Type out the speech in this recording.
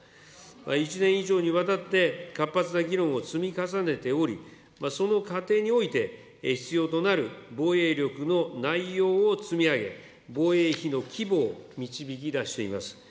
１年以上にわたって活発な議論を積み重ねており、その過程において必要となる防衛力の内容を積み上げ、防衛費の規模を導き出しています。